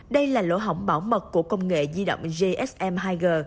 đây là lỗ hỏng bảo mật của công nghệ di động gsm hai g